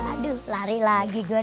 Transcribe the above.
aduh lari lagi gue